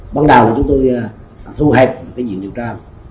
bắt đầu là chúng tôi thu hẹp cái diễn điều tra